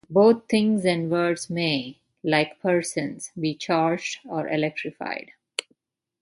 Both things and words may, like persons, be charged or electrified.